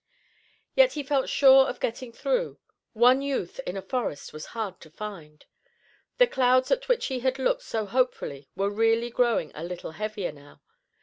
Yet he felt sure of getting through. One youth in a forest was hard to find. The clouds at which he had looked so hopefully were really growing a little heavier now.